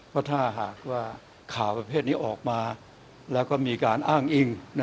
เพราะถ้าหากว่าข่าวประเภทนี้ออกมาแล้วก็มีการอ้างอิง